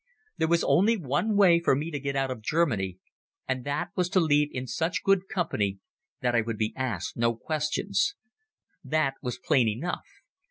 There was only one way for me to get out of Germany, and that was to leave in such good company that I would be asked no questions. That was plain enough.